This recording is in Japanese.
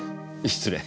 失礼。